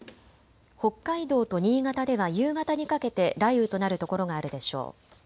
北海道と新潟では夕方にかけて雷雨となる所があるでしょう。